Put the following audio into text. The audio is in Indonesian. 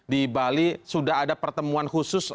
di bali sudah ada pertemuan khusus